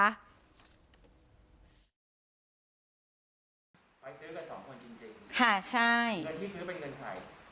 ไปซื้อกันสองคนจริงจริงค่ะใช่เงินที่ซื้อเป็นเงินใคร